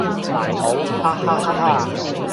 埋土哈哈哈哈